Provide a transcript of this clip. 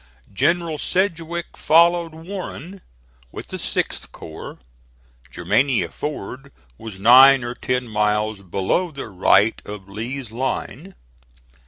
General Sedgwick followed Warren with the 6th corps. Germania Ford was nine or ten miles below the right of Lee's line.